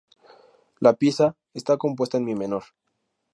La pieza está compuesta en mi menor.